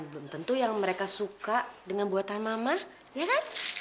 belum tentu yang mereka suka dengan buatan mama ya kan